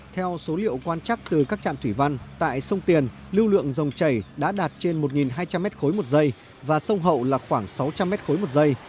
theo số liệu quan chắc từ các trạm thủy văn tại sông tiền lưu lượng dòng chảy đã đạt trên một hai trăm linh m ba một giây và sông hậu là khoảng sáu trăm linh m ba một giây